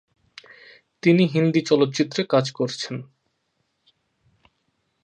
তিনি হিন্দি চলচ্চিত্রে কাজ করেছেন।